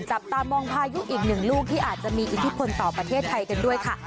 จับตามองพายุอีกหนึ่งลูกที่อาจจะมีอิทธิพลต่อประเทศไทยกันด้วยค่ะ